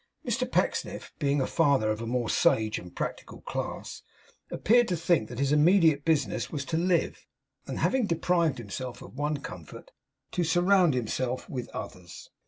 Mr Pecksniff, being a father of a more sage and practical class, appeared to think that his immediate business was to live; and having deprived himself of one comfort, to surround himself with others.